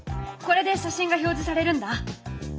これで写真が表示されるんだ。